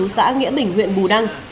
xã nghĩa bình huyện bù đăng